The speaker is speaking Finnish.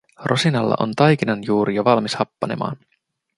Rosinalla on taikinanjuuri jo valmis happanemaan.